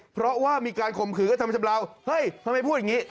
เพราะว่ามีการคมขืนก็ทำมาฉำเลาเฮ้ยทำไมพูดอย่างงี้